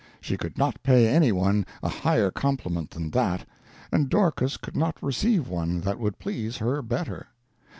She could not pay any one a higher compliment than that, and Dorcas could not receive one that would please her better.